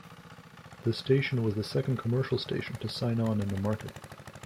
The station was the second commercial station to sign-on in the market.